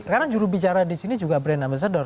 karena jurubicara di sini juga brand ambassador